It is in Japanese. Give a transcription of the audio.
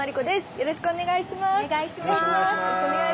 よろしくお願いします。